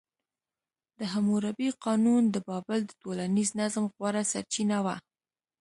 د حموربي قانون د بابل د ټولنیز نظم غوره سرچینه وه.